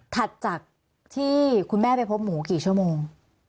ที่คุณแม่ไปพบหมูกี่ชั่วโมง